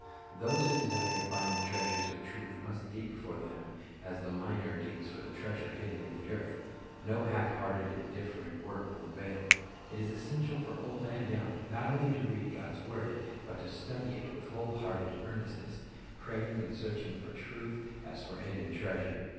Those who desire to find the treasures of truth must dig for them as the miner digs for the treasure hidden in the earth. No half hearted, indif ferent work will avail. It is essential for old and young, not only to read God's word, but to study it with whole hearted earnestness, praying and searching for truth as for hidden treasure.